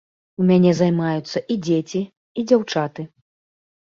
У мяне займаюцца і дзеці, і дзяўчаты.